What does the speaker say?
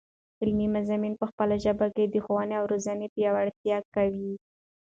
علمي مضامین په خپله ژبه کې، د ښوونې او روزني پیاوړتیا قوي.